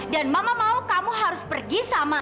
dan mama mau kamu harus pergi sama